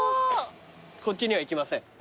こっちには行きません。